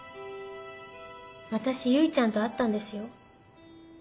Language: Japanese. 私唯ちゃんと会ったんですよ。